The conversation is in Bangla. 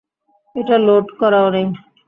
এটা লোড করাও নেই।